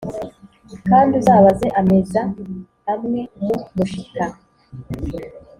Kandi uzabaze ameza amwe mu mushita